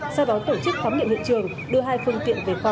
sao báo tổ chức thám nghiệm hiện trường đưa hai phương tiện về phò